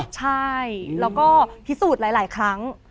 ใช่แล้วก็พิสูจน์หลายครั้ง